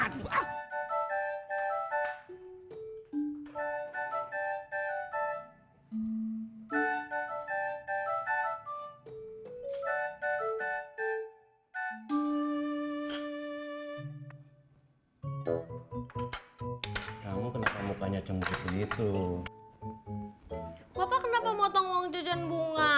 kamu kenapa mukanya cemburu begitu bapak kenapa motong wong cucian bunga